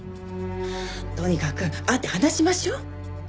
とにかく会って話しましょう？